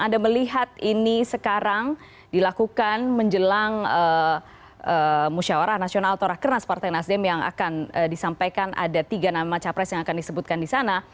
anda melihat ini sekarang dilakukan menjelang musyawarah nasional atau rakernas partai nasdem yang akan disampaikan ada tiga nama capres yang akan disebutkan di sana